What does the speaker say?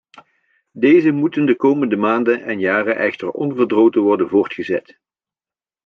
Deze moeten de komende maanden en jaren echter onverdroten worden voortgezet.